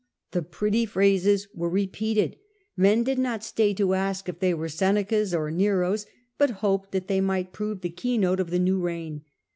The pretty phrases were repeated ; men did not stay to ask if they were Seneca's or N ero's, but hoped that they might prove the keynote of the new reign.